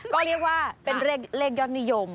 ก็เรียกว่าเป็นเลขยอดนิยม